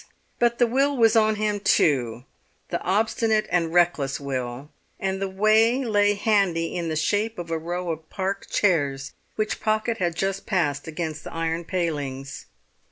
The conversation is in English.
But the will was on him too, the obstinate and reckless will, and the way lay handy in the shape of a row of Park chairs which Pocket had just passed against the iron palings.